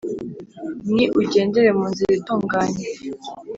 Ni ugendera mu nzira itunganye